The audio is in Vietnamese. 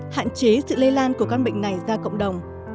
hạn chế sự lây lan của căn bệnh này ra cộng đồng